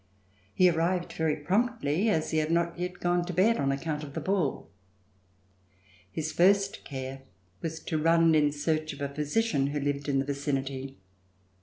He arrived very promptly as he had not yet gone to bed on account of the ball. His first care was to run in search of a physician who lived in the vicinity.